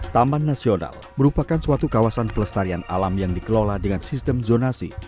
taman nasional merupakan suatu kawasan pelestarian alam yang dikelola dengan sistem zonasi